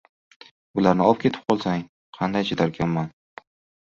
Bularni opketib qolsang… qanday chidarkanman?